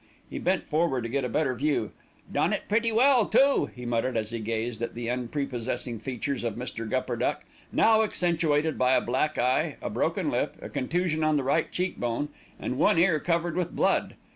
He bent forward to get a better view. "Done it pretty well, too," he muttered as he gazed at the unprepossessing features of Mr. Gupperduck, now accentuated by a black eye, a broken lip, a contusion on the right cheek bone, and one ear covered with blood.